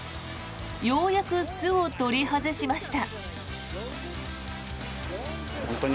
ようやく巣を取り外しました。